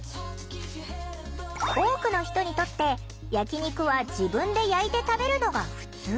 多くの人にとって焼き肉は自分で焼いて食べるのがふつう。